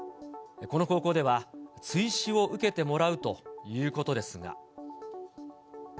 この高校では、追試を受けてもらうということですが。